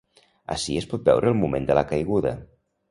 Ací es pot veure el moment de la caiguda.